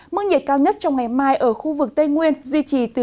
mức nhiệt cao nhất trong ngày mai ở khu vực tây nguyên duy trì từ